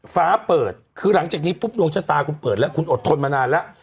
ฟ้าเปิดคือหลังจากนี้ปุ๊บดวงชะตาคุณเปิดแล้วคุณอดทนมานานแล้ว